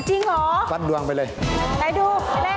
จริงเหรอไปดวงไปเลยวันดวงไปเลย